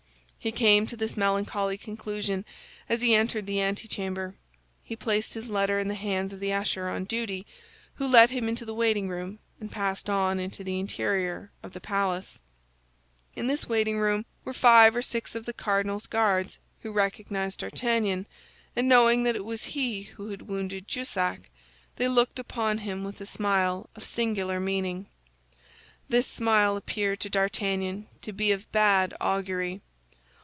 He came to this melancholy conclusion as he entered the antechamber. He placed his letter in the hands of the usher on duty, who led him into the waiting room and passed on into the interior of the palace. In this waiting room were five or six of the cardinal's Guards, who recognized D'Artagnan, and knowing that it was he who had wounded Jussac, they looked upon him with a smile of singular meaning. This smile appeared to D'Artagnan to be of bad augury.